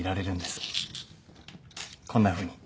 こんなふうに